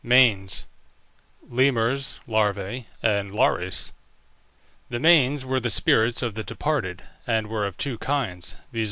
MANES. LEMURES (LARVÆ) AND LARES. The Manes were the spirits of the departed, and were of two kinds, viz.